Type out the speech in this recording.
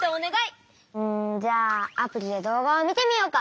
うんじゃあアプリで動画を見てみようか？